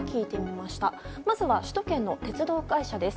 まずは首都圏の鉄道会社です。